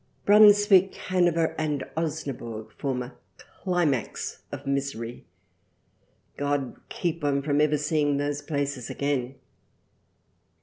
Brunswick, Hanover and Osna burg form a climax of misery. God keep one from ever seeing those places again.